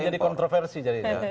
ini jadi kontroversi jadinya